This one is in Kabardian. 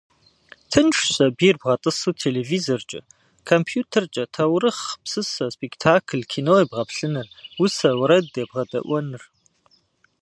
Тыншщ сабийр бгъэтӏысу телевизоркӏэ, компьютеркӏэ таурыхъ, псысэ, спектакль, кино ебгъэплъыныр, усэ, уэрэд ебгъэдэӏуэныр.